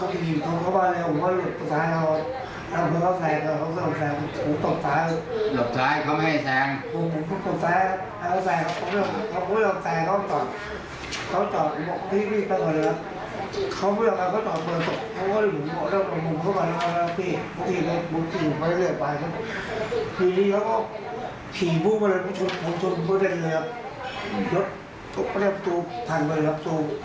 ทีนี้เขาก็ขี่ผู้บริษัทผู้ชนไม่ได้เลยครับยกตรงทางไปแล้วตรงขวาขนาดทางไปครับ